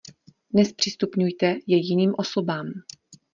Nezpřístupňujte je jiným osobám.